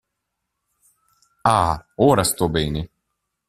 Ah, ora sto bene!